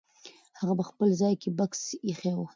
هغه به په خپل ځای کې بکس ایښی وي.